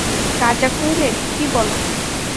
রাজা কহিলেন, কী বলো।